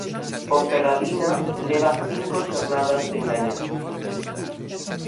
Ponferradina leva cinco xornadas sen gañar.